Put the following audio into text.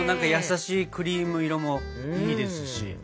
優しいクリーム色もいいですし。